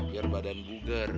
biar badan buger